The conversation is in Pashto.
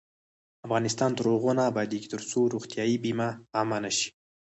افغانستان تر هغو نه ابادیږي، ترڅو روغتیايي بیمه عامه نشي.